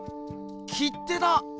切手だ！